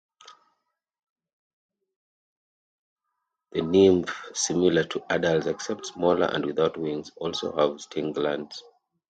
The nymphs, similar to adults except smaller and without wings, also have stink glands.